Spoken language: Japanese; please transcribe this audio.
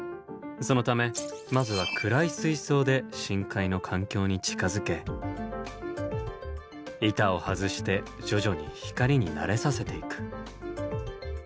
そのためまずは暗い水槽で深海の環境に近づけ板を外して徐々に光に慣れさせていく。